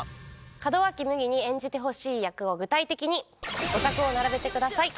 門脇麦に演じてほしい役を具体的にゴタクを並べてください。